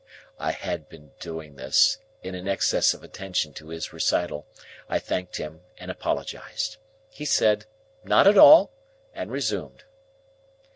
I had been doing this, in an excess of attention to his recital. I thanked him, and apologised. He said, "Not at all," and resumed.